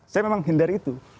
saya memang hindari itu